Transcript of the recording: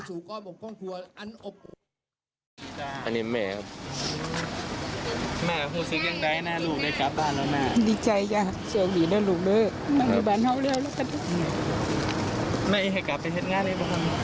เสร็จงานได้ประมาณนี้